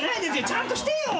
ちゃんとしてよ。